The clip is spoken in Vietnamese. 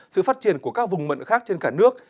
sự phát triển của các vùng mận khác